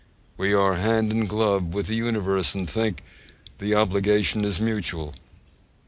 We are hand and glove with the universe, and think the obligation is mutual.